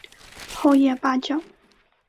厚叶八角